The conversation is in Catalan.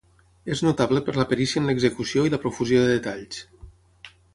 És notable per la perícia en l'execució i la profusió de detalls.